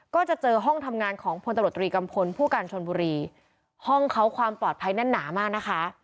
ก็จะเจอห้องทำงานของพลตำรวจตรีกัมพลผู้การชนบุรีห้องเขาความปลอดภัยแน่นหนามากนะคะ